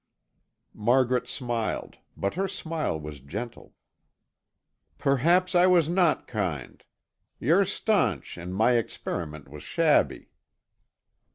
Margaret smiled, but her smile was gentle. "Perhaps I was not kind. You're stanch and my experiment was shabby."